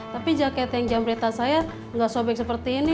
tapi jaket yang jamretan saya gak sobek seperti ini